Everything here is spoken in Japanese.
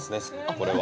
これは。